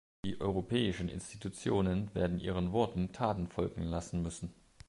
Die Europäischen Institutionen werden ihren Worten Taten folgen lassen müssen.